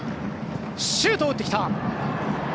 シュートを打ってきた。